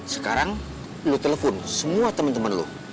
sekarang lo telepon semua temen temen lo